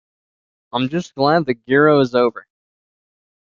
I'm just glad the Giro is over.